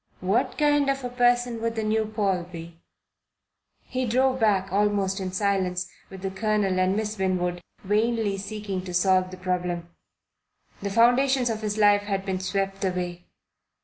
What kind of a person would the new Paul be? He drove back almost in silence with the Colonel and Miss Winwood, vainly seeking to solve the problem. The foundations of his life had been swept away.